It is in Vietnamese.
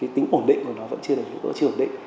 tính ổn định của nó vẫn chưa đạt được nó chưa ổn định